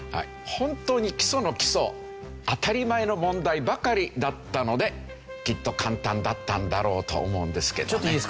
本当に基礎の基礎当たり前の問題ばかりだったのできっと簡単だったんだろうと思うんですけどね。